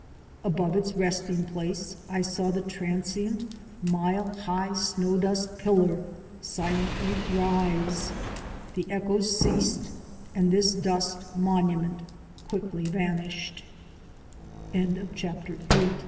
Above its resting place I saw the transient, mile high snow dust pillar si lently rise. The echoes ceased, and this dust monu ment quickly vanished. CHAPTER IX LIGHTNING